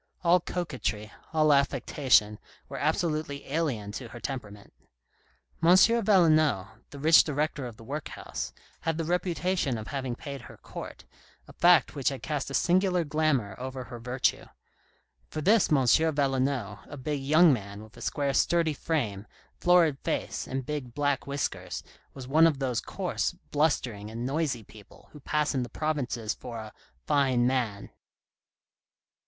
All coquetry, all affectation, were absolutely alien to her temperament. M. Valenod, the rich director of the workhouse, had the reputation of having paid her court, a fact which had cast a singular glamour over her virtue ; for this M. Valenod, a big young man with a square, sturdy frame, florid face, and big, black whiskers, was one of those coarse, blustering, and noisy people who pass in the provinces for a " fine man."